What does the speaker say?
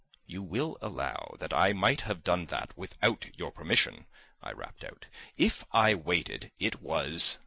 "You will allow that I might have done that without your permission," I rapped out. "If I waited, it was